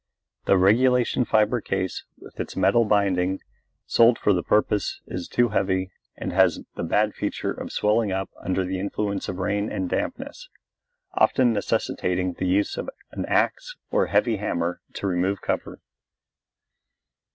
The regulation fibre case with its metal binding sold for the purpose is too heavy and has the bad feature of swelling up under the influence of rain and dampness, often necessitating the use of an axe or heavy hammer to remove cover.